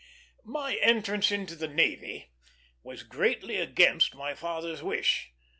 My entrance into the navy was greatly against my father's wish.